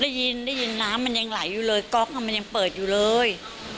ได้ยินได้ยินน้ำมันยังไหลอยู่เลยก๊อกมันยังเปิดอยู่เลย